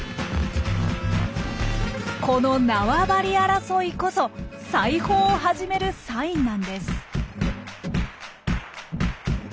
この縄張り争いこそ裁縫を始めるサインなんです。